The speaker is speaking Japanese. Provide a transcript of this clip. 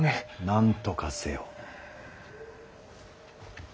なんとかせよ。